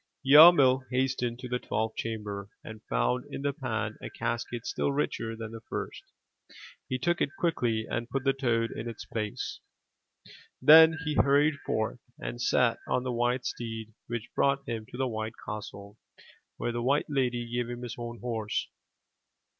Yarmil hastened to the twelfth chamber, and found in the pan a casket still richer than the first. He took it quickly, and put the toad in its place. Then he hurried forth, and sat on the white steed, which brought him to the white castle, where the white lady gave him his own horse.